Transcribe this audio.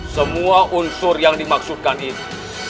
semua unsur yang dimaksudkan itu